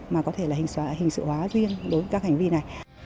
mà có thể là hình sự hóa riêng đối với các hành vi này